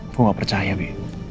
gue gak percaya bi